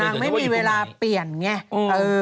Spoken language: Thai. ไม่มีเวลาเปลี่ยนไง